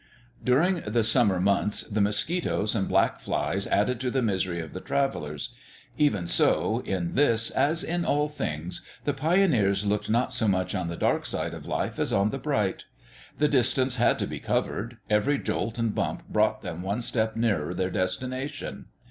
During the summer months the mosquitoes and black flies added to the misery of the travellers. Even so, in this, as in all things, the pioneers looked not so much on the dark side of life as on the bright. The distance had to be covered; every jolt and bump brought them one step nearer their destination.